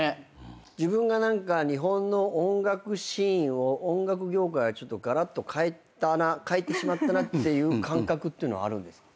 自分が日本の音楽シーンを音楽業界をがらっと変えてしまったなっていう感覚っていうのはあるんですか？